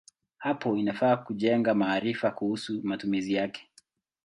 Hapo inafaa kujenga maarifa kuhusu matumizi yake.